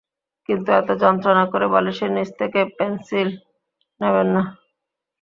তিনি এত যন্ত্রণা করে বালিশের নিচে থেকে পেনসিল নেবেন না।